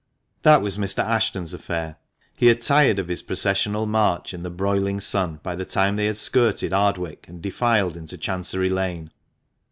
That was Mr. Ashton's affair. He had tired of his processional march in the broiling sun by the time they had skirted Ardwick, and defiled into Chancery Lane.